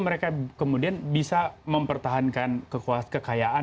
mereka kemudian bisa mempertahankan kekayaan